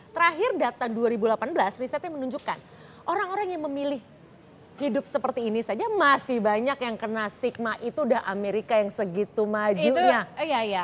terakhir data dua ribu delapan belas risetnya menunjukkan orang orang yang memilih hidup seperti ini saja masih banyak yang kena stigma itu udah amerika yang segitu majunya